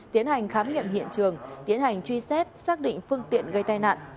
tiến hành khám nghiệm hiện trường tiến hành truy xét xác định phương tiện gây tai nạn